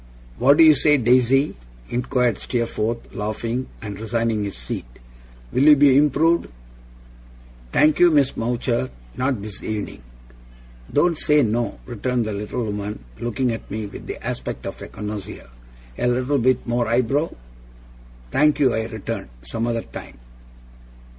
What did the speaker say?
'What do you say, Daisy?' inquired Steerforth, laughing, and resigning his seat. 'Will you be improved?' 'Thank you, Miss Mowcher, not this evening.' 'Don't say no,' returned the little woman, looking at me with the aspect of a connoisseur; 'a little bit more eyebrow?' 'Thank you,' I returned, 'some other time.